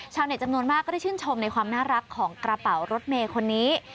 จำนวนมากก็ได้ชื่นชมในความน่ารักของกระเป๋ารถเมย์คนนี้